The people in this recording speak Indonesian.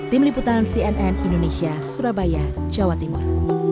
tim liputan cnn indonesia surabaya jawa timur